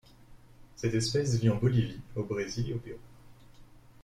Cette espèce vit en Bolivie, au Brésil et au Pérou.